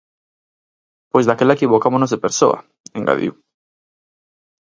Pois daquela equivocámonos de persoa, engadiu.